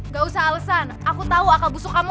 gak usah alesan aku tahu akal busuk kamu